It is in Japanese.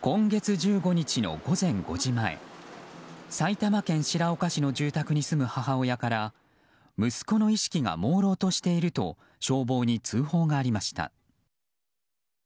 今月１５日の午前５時前埼玉県白岡市の住宅に住む母親から息子の意識がもうろうとしていると消防に通報がありました。